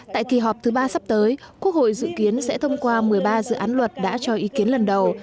tại kỳ họp thứ ba sắp tới quốc hội dự kiến sẽ thông qua một mươi ba dự án luật đã cho ý kiến lần đầu